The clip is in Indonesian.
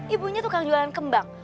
ibunya tukang jualan kembang